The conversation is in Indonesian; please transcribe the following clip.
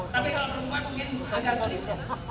tapi kalau perempuan mungkin agak sulit